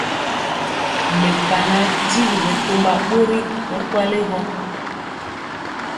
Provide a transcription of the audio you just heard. Mekana tyigi bɛtɔmba bori bɛ kweli gɔ.